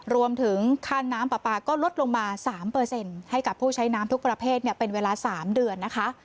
รวมถึงค่าน้ำปลาปลาก็ลดลงมา๓ให้กับผู้ใช้น้ำทุกประเภทเป็นเวลา๓เดือนนะคะ